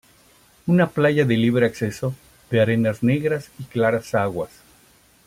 Una playa de libre acceso de arenas negras y claras aguas.